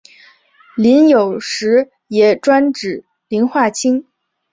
膦有时也专指磷化氢。